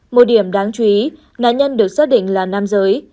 một điểm đáng chú ý nạn nhân được xác định là nam giới